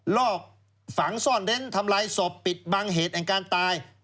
ลอกฝังซ่อนเล้นทำลายศพปิดบังเหตุแห่งการตาย